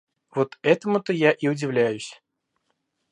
Вот этому-то я удивляюсь